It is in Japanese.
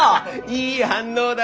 いい反応だね。